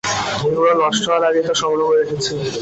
এগুলো নষ্ট হওয়ার আগেই তা সংগ্রহ করে রেখেছি।